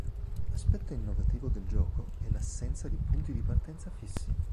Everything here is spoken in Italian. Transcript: Aspetto innovativo del gioco è l'assenza di punti di partenza fissi.